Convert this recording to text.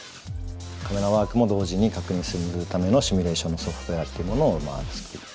カメラワークも同時に確認するためのシミュレーションのソフトウエアっていうものを作っています。